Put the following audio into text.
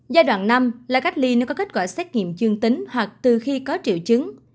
giai đoạn năm là cách ly nếu có kết quả xét nghiệm dương tính hoặc từ khi có triệu chứng